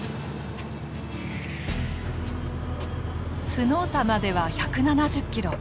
スノーサまでは１７０キロ。